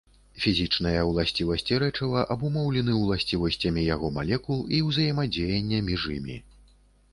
Фізічныя ўласцівасці рэчыва абумоўлены ўласцівасцямі яго малекул і ўзаемадзеяння між імі.